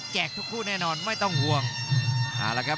แจกทุกคู่แน่นอนไม่ต้องห่วง